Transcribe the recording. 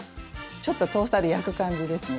ちょっとトースターで焼く感じですね。